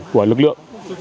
của lực lượng